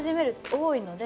多いので。